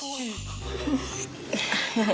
bisa lah nusantun